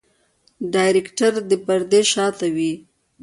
ډايرکټر د پردې شاته وي.